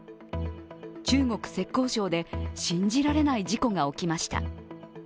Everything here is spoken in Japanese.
中国・浙江省で信じられない事故が起きました。